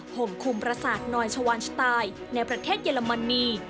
ห่มคุมประสาทนอยชวานสไตล์ในประเทศเยอรมนี